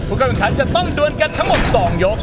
ผู้กับขนัดจะต้องด่วนกันทั้งหมดสองยก